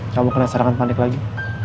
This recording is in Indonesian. kamu kena serangan panik lagi